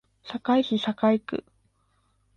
堺市堺区